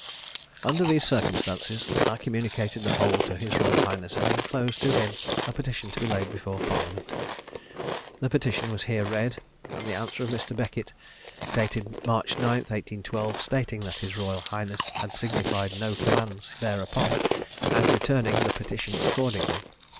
"Under these circumstances, I communicated the whole to his royal highness, and enclosed to him a petition to be laid before parliament. (The petition was here read, and the answer of Mr. Beckett, dated March 9, 1812, stating that his royal highness had signified no commands thereupon, and returning the petition accordingly.)